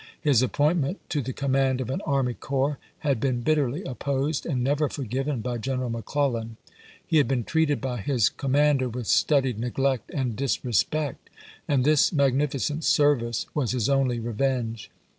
His appointment to the command of an army corps had been bitterly opposed and never forgiven by Gen eral McClellan; he had been treated by his com mander with studied neglect and disrespect; and this magnificent service was his only revenge.